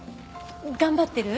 頑張ってる？